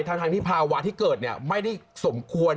ทั้งที่ภาวะที่เกิดไม่ได้สมควร